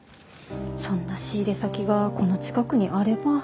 そんな仕入れ先がこの近くにあれば。